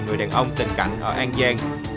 người đàn ông tình cảnh ở an giang